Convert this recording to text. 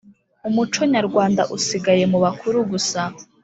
umuco nyarwanda usigaye mu bakuru gusa